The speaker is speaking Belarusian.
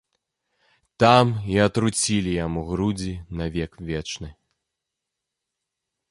Там і атруцілі яму грудзі на век вечны.